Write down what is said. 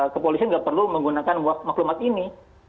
kepolisian nggak perlu menggunakan maklumat ini